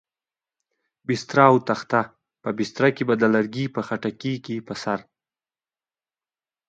بستره او تخته، په بستره کې به د لرګي په خټکي په څېر.